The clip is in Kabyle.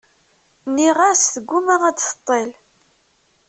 Nniɣ-as tguma ad d-teṭṭil.